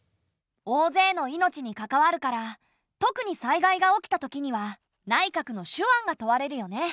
大勢の命に関わるから特に災害が起きたときには内閣の手腕が問われるよね。